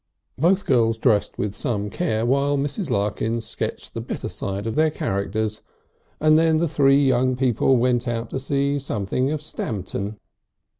Both girls dressed with some care while Mrs. Larkins sketched the better side of their characters, and then the three young people went out to see something of Stamton.